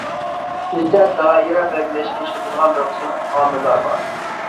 بىزدە دائىرە بەلگىلەشكە ئىشلىتىدىغان بىر قىسىم ئامىللار بار.